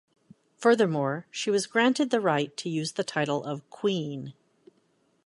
Furthermore, she was granted the right to use the title of queen.